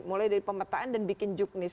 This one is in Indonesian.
mulai dari pemetaan dan bikin juknis